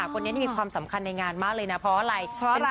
คนนี้นี่มีความสำคัญในงานมากเลยนะเพราะอะไร